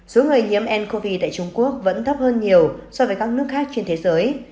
số người nhiễm ncov tại trung quốc vẫn thấp hơn nhiều so với các nước khác trên thế giới